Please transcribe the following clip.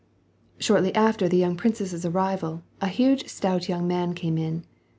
Shortly after the young princess's arrival, a huge, stout young man came in.